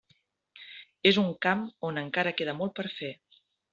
És un camp on encara queda molt per fer.